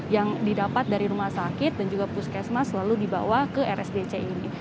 yang didapat dari rumah sakit dan juga puskesmas selalu dibawa ke rsdc ini